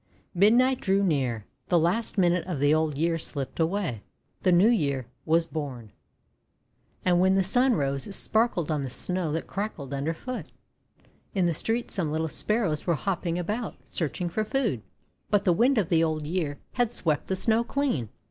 Midnight drew near, — the last minute of the Old Year slipped away, the New Year was born. And when the Sun rose, it sparkled on the Snow that crackled under foot. In the street some little Sparrows were hopping about, search ing for food; but the Wind of the Old Year had swept the Snow clean.